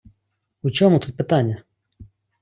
У чому тут питання?